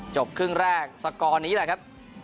จบครึ่งแรกสกอร์นี้แหละครับ